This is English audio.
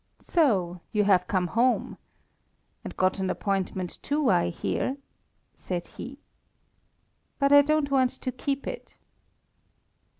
"So you have come home! And got an appointment too, I hear?" said he. "But I don't want to keep it."